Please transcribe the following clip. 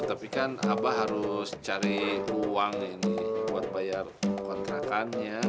tapi kan abah harus cari uang ini buat bayar kontrakannya